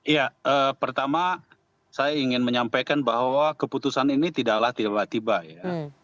ya pertama saya ingin menyampaikan bahwa keputusan ini tidaklah tiba tiba ya